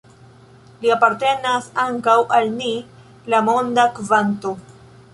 Li apartenas ankaŭ al ni, la monda kvanto.